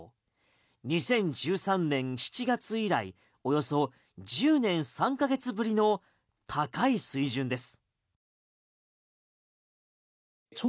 ２０１３年７月以来およそ１０年３か月ぶりの高い水準です。